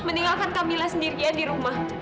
meninggalkan kamilah sendirian di rumah